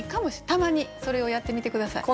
たまにそれをやってみて下さい。